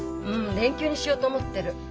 連休にしようと思ってる。